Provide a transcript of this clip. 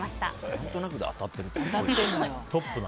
何となくで当たってるってすごいな。